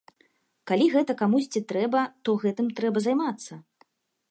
Калі гэта камусьці трэба, то гэтым трэба займацца.